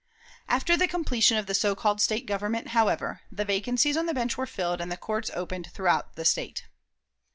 After the completion of the so called State government, however, the vacancies on the bench were filled, and the courts opened throughout the State.